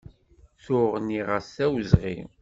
Tuɣ nniɣ-as d awezɣi.